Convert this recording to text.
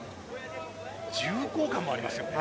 重厚感もありますよね。